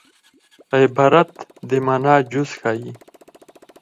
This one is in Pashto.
عبارت د مانا جز ښيي.